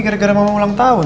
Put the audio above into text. gara gara ngomong ulang tahun